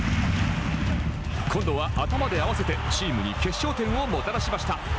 今度は頭で合わせてチームに決勝点をもたらしました。